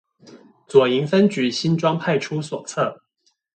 左營分局新莊派出所側